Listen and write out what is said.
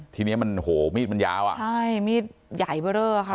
ทีเนี้ยมันโหมีดมันยาวอ่ะใช่มีดใหญ่เบอร์เรอค่ะ